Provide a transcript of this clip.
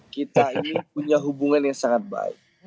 kita ini punya hubungan yang sangat baik